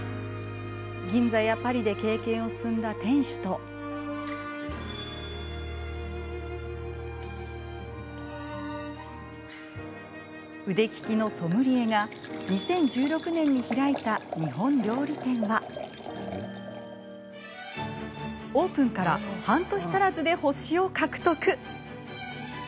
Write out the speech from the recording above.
銀座やパリで経験を積んだ店主と腕利きのソムリエが２０１６年に開いた日本料理店はオープンから半年足らずで星を獲得。